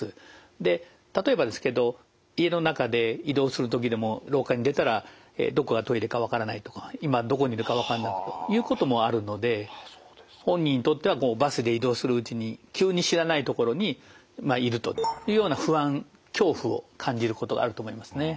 で例えばですけど家の中で移動する時でも廊下に出たらどこがトイレかわからないとか今どこにいるかわかんないということもあるので本人にとってはバスで移動するうちに急に知らないところにいるというような不安恐怖を感じることがあると思いますね。